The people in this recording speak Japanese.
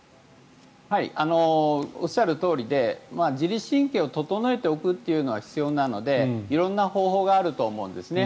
おっしゃるとおりで自律神経を整えておくというのは必要なので、色んな方法があると思うんですね。